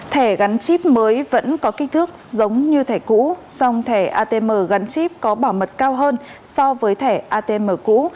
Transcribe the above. thẻ gắn chip mới vẫn có kích thước giống như thẻ cũ song thẻ atm gắn chip có bảo mật cao hơn so với thẻ atm cũ